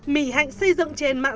mỹ hạnh xây dựng trên mạng